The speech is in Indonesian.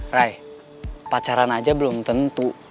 ray pacaran aja belum tentu